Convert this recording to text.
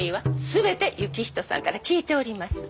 全て行人さんから聞いております。